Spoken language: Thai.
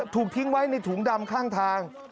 ถูกทิ้งไว้ในถุงดำข้างทาง